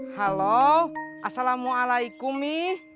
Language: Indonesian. halo assalamualaikum mi